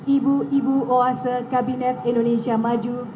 ibu ibu oase kabinet indonesia maju